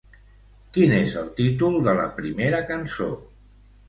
Quin és el títol de la primera cançó?